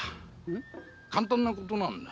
簡単なことなんだ。